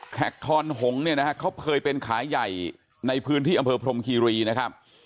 ทอนหงษ์เนี่ยนะฮะเขาเคยเป็นขายใหญ่ในพื้นที่อำเภอพรมคีรีนะครับ